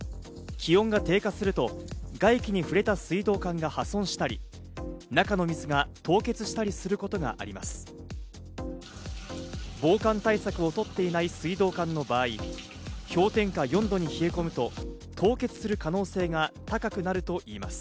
気温が低下すると外気に触れた水道管が破損したり、中の水が凍結したりすることがあります。